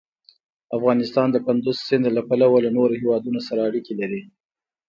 افغانستان د کندز سیند له پلوه له نورو هېوادونو سره اړیکې لري.